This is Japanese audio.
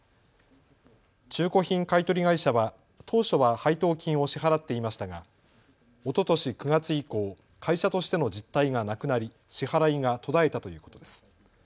中古品買い取り会社は当初は配当金を支払っていましたがおととし９月以降、会社としての実態がなくなり支払いが途絶えたということです。